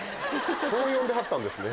そう呼んではったんですね。